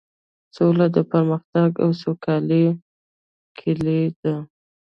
سوله د پرمختګ او سوکالۍ کیلي ده.